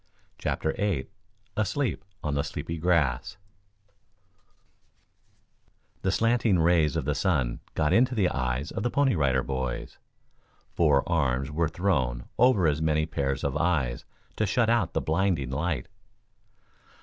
CHAPTER VIII ASLEEP ON THE SLEEPY GRASS The slanting rays of the sun got into the eyes of the Pony Rider Boys. Four arms were thrown over as many pairs of eyes to shut out the blinding light.